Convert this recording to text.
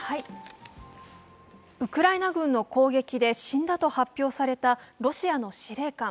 ウクライナ軍の攻撃で死んだと発表されたロシアの司令官。